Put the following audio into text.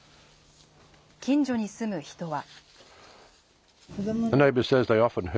近所に住む人は。